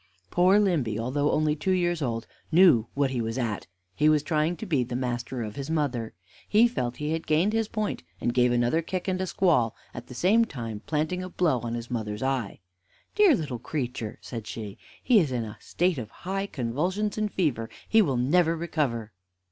Poor Limby, although only two years old, knew what he was at he was trying to be the master of his mother. He felt he had gained his point, and gave another kick and a squall, at the same time planting a blow on his mother's eye. "Dear little creature!" said she; "he is in a state of high convulsions and fever. He will never recover!"